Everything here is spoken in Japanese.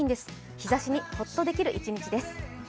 日ざしにホッとできる季節です。